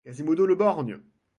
Quasimodo le borgne!